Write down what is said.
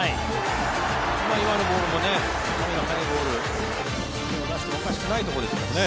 今のボールも高めの速いボール手を出してもおかしくないところですよね。